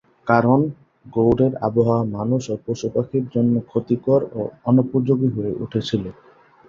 কারণ, গৌড়ের আবহাওয়া মানুষ ও পশুপাখির জন্য ক্ষতিকর ও অনুপযোগী হয়ে উঠেছিল।